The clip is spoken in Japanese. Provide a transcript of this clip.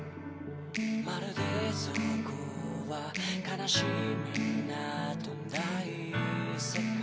「まるでそこは悲しみなどない世界」